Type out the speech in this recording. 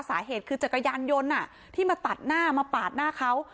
สาเหตุคือจักรยานยนต์ที่มาตัดหน้ามาปาดหน้าเขา